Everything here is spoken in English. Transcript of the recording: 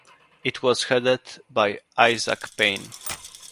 It was headed by Isaac Pain.